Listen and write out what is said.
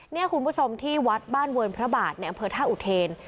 นี่คุณผู้ชมที่วัดบ้านเวิร์นพระบาทในอำเภอท่าอุเทน